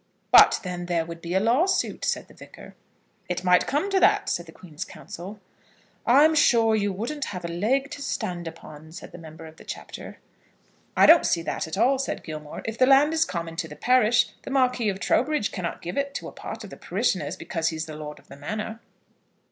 "But then there would be a lawsuit," said the Vicar. "It might come to that," said the Queen's Counsel. "I'm sure you wouldn't have a leg to stand upon," said the member of the Chapter. "I don't see that at all," said Gilmore. "If the land is common to the parish, the Marquis of Trowbridge cannot give it to a part of the parishioners because he is Lord of the Manor."